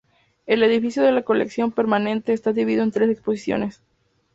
El edificio de la colección permanente está dividido en tres exposiciones.